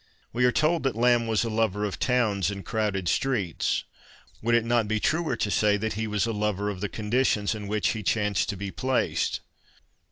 We are told that Lamb was a lover of towns and crowded streets. Would it not be truer to say that he was a lover of the conditions in which he chanced to be placed